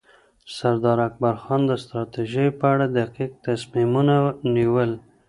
سردار اکبرخان د ستراتیژۍ په اړه دقیق تصمیمونه نیول.